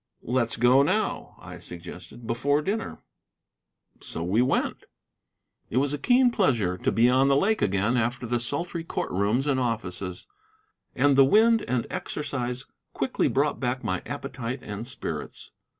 "Let's go now," I suggested, "before dinner." So we went. It was a keen pleasure to be on the lake again after the sultry court rooms and offices, and the wind and exercise quickly brought back my appetite and spirits.